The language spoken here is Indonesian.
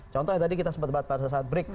contohnya tadi kita sempat berbicara